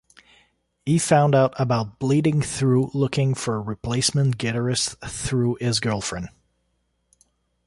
He found out about Bleeding Through looking for a replacement guitarist through his girlfriend.